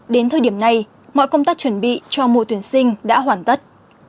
đến thời điểm này mọi công tác chuẩn bị cho mùa tuyển sinh đã hoàn tất